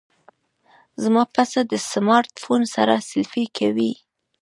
زما پسه د سمارټ فون سره سیلفي کوي.